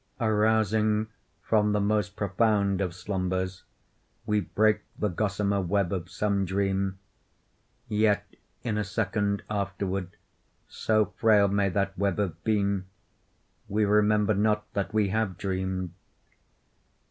Arousing from the most profound of slumbers, we break the gossamer web of some dream. Yet in a second afterward, (so frail may that web have been) we remember not that we have dreamed.